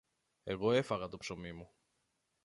Εγώ έφαγα το ψωμί μου.